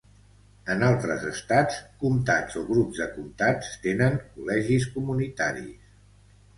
En altres estats, comtats o grups de comtats tenen col·legis comunitaris.